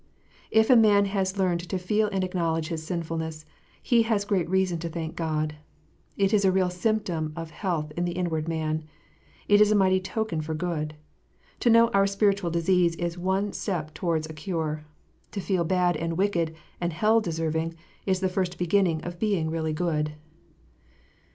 If a man has learned to feel and acknowledge his sinfulness, he has great reason to thank God. It is a real symptom of health in the inward man. It is a mighty token for good. To know our spiritual disease is one step towards a cure. To feel bad and wicked and hell deserving, is the first beginning of being really good.